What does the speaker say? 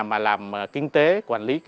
mà làm kinh tế quản lý